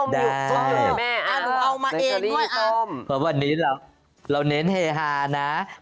ได้อ๋อเรื่องส้มหรือยุ่คุณแม่อาวิสัริรี่ส้ม